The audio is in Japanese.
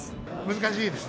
難しいですね。